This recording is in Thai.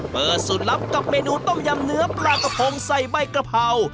เปิดสูตรลับกับเมนูต้มยำเนื้อปลากระพงใส่ใบกระเพรา